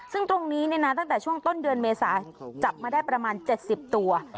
ซึ่งตรงนี้ตั้งแต่ช่วงต้นเดือนเมษาจับมาได้ประมาณ๗๐ตัว